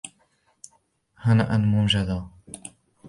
هانئا ممجدا